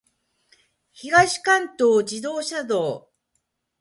東関東自動車道